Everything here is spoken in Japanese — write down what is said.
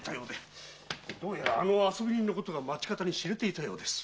どうやらあの遊び人のことが町方に知れていたようです。